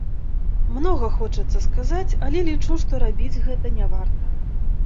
Многа хочацца сказаць, але лічу, што рабіць гэта не варта.